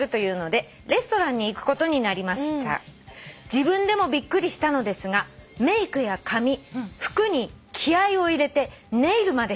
「自分でもびっくりしたのですがメイクや髪服に気合を入れてネイルまでしていました」